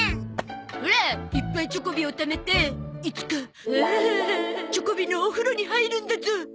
オラいっぱいチョコビをためていつかチョコビのお風呂に入るんだゾ。